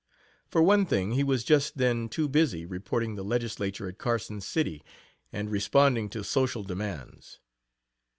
For one thing, he was just then too busy reporting the Legislature at Carson City and responding to social demands.